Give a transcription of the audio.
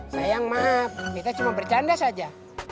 sayang maaf kita cuma bercanda saja